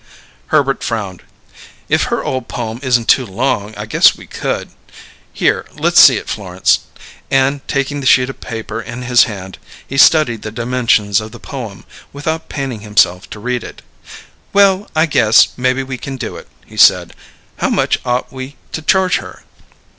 Herbert frowned. "If her ole poem isn't too long I guess we could. Here, let's see it, Florence." And, taking the sheet of paper in his hand, he studied the dimensions of the poem, without paining himself to read it. "Well, I guess, maybe we can do it," he said. "How much ought we to charge her?"